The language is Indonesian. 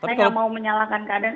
saya nggak mau menyalahkan keadaan